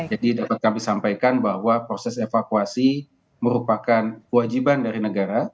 jadi dapat kami sampaikan bahwa proses evakuasi merupakan kewajiban dari negara